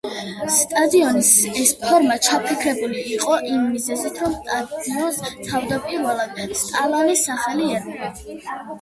სტადიონის ეს ფორმა ჩაფიქრებული იყო იმ მიზეზით, რომ სტადიონს თავდაპირველად სტალინის სახელი ერქვა.